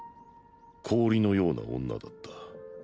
氷のような女だった。